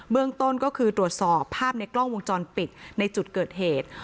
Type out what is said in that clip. เรื่องต้นก็คือตรวจสอบภาพในกล้องวงจรปิดในจุดเกิดเหตุ